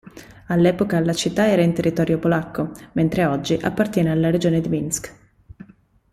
All'epoca la città era in territorio polacco mentre oggi appartiene alla regione di Minsk.